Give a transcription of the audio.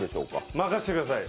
任してください。